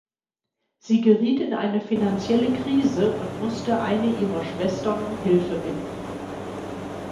Sie geriet in eine finanzielle Krise und musste eine ihrer Schwestern um Hilfe bitten.